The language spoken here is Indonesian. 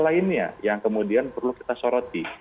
lainnya yang kemudian perlu kita soroti